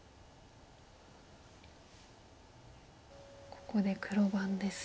ここで黒番です。